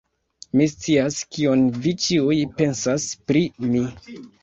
Mi scias, kion vi ĉiuj pensas pri mi!